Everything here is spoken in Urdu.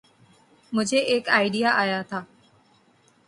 مجھے ایک آئڈیا آیا تھا۔